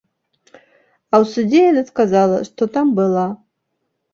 А ў судзе яна сказала, што там была.